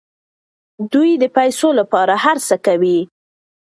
دوی د پیسو لپاره هر څه کوي.